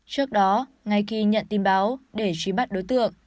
trước đó ngay khi nhận tin báo để truy bắt đối tượng